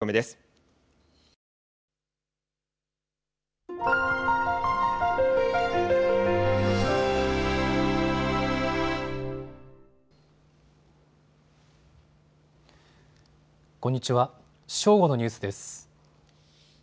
正午のニュースです。